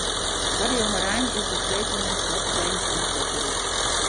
Foar de jongerein is der de freedtejûns in optreden fan in popgroep.